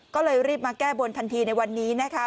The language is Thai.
ก็เลยรีบมาแก้บนทันทีในวันนี้นะคะ